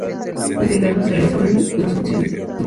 Las labores de hilado las realizaban los ancianos.